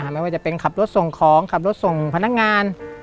ไม่ว่าจะเป็นขับรถส่งของขับรถส่งพนักงาน